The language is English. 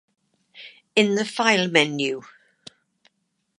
In the file menu